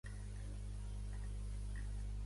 Aquest element presenta do isòmers nuclears.